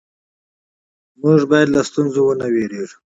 موږ باید له ستونزو ونه وېرېږو